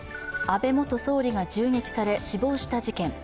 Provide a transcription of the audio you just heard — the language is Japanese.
安倍元総理が銃撃され死亡した事件。